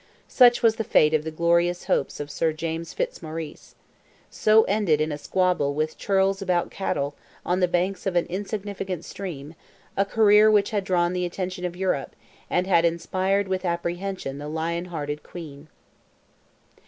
Such was the fate of the glorious hopes of Sir James Fitzmaurice. So ended in a squabble with churls about cattle, on the banks of an insignificant stream, a career which had drawn the attention of Europe, and had inspired with apprehension the lion hearted Queen.